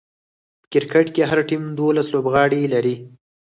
په کرکټ کښي هر ټيم دوولس لوبغاړي لري.